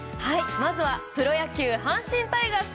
まずは、プロ野球阪神タイガース。